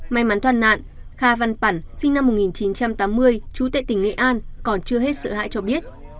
may mắn toàn nạn kha văn pản sinh năm một nghìn chín trăm tám mươi chú tệ tỉnh nghệ an còn chưa hết sợ hãi cho biết